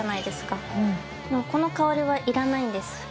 でもこの香りはいらないんです